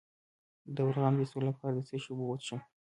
د بلغم د ایستلو لپاره د څه شي اوبه وڅښم؟